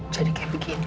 jadi kaya begini